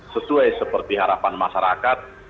sesuai seperti harapan masyarakat